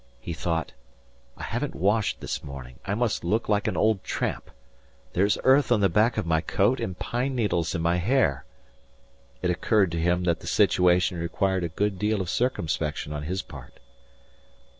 He thought, "I haven't washed this morning. I must look like an old tramp. There's earth on the back of my coat, and pine needles in my hair." It occurred to him that the situation required a good deal of circumspection on his part.